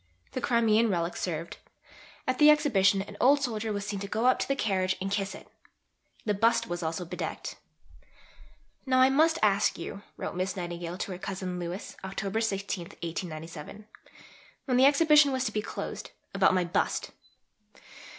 The Crimean relic served. At the Exhibition an old soldier was seen to go up to the carriage and kiss it. The bust was also bedecked. "Now I must ask you," wrote Miss Nightingale to her cousin Louis (Oct. 16, 1897), when the Exhibition was to be closed, "about my bust.